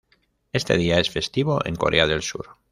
Este día es festivo en Corea del Sur.